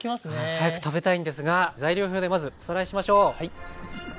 早く食べたいんですが材料表でまずおさらいしましょう。